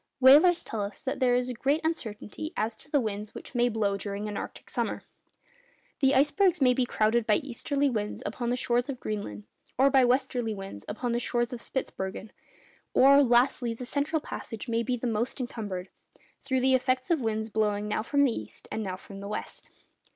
Whalers tell us that there is great uncertainty as to the winds which may blow during an arctic summer. The icebergs may be crowded by easterly winds upon the shores of Greenland, or by westerly winds upon the shores of Spitzbergen, or, lastly, the central passage may be the most encumbered, through the effects of winds blowing now from the east and now from the west.